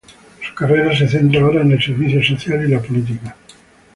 Su carrera se centra ahora en el servicio social y la política.